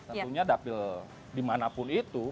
tentunya dapil dimanapun itu